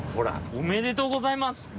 おめでとうございます！